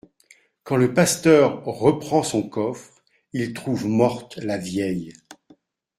Quand le pasteur reprend son coffre, il trouve morte la vieille.